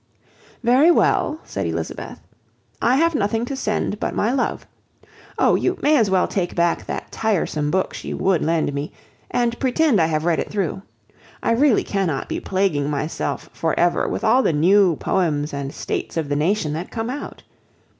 "Very well," said Elizabeth, "I have nothing to send but my love. Oh! you may as well take back that tiresome book she would lend me, and pretend I have read it through. I really cannot be plaguing myself for ever with all the new poems and states of the nation that come out.